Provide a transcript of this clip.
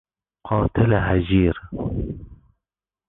قاتل هژیر